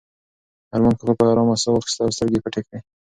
ارمان کاکا په ارامه ساه واخیسته او سترګې یې پټې کړې.